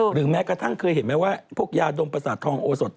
หรือแม้กระทั่งเคยเห็นไหมว่าพวกยาดมพระศาสตร์ทองโอโสศ